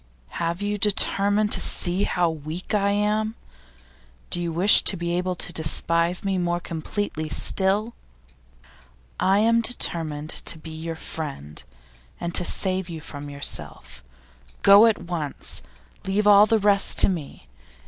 'Have you determined to see how weak I am? Do you wish to be able to despise me more completely still?' 'I am determined to be your friend, and to save you from yourself. Go at once! Leave all the rest to me.